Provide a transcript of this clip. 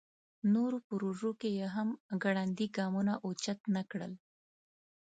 نورو پروژو کې یې هم ګړندي ګامونه اوچت نکړل.